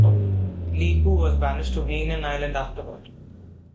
Li Hu was banished to Hainan island afterward.